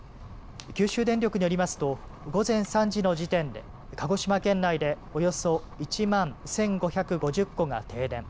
九州電力によりますと午前３時の時点で鹿児島県内でおよそ１万１５５０戸が停電。